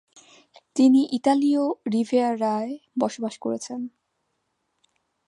তিনি ইতালীয় রিভিয়েরায় বসবাস করেছেন।